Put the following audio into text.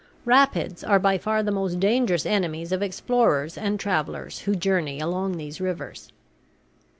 Rapids are by far the most dangerous enemies of explorers and travellers who journey along these rivers.